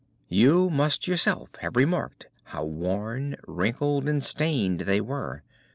You must yourself have remarked how worn, wrinkled, and stained they were.